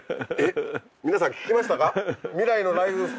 皆さん聞きましたか？